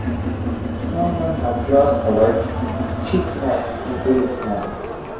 Some one had thrust a large sheath-knife into his hand.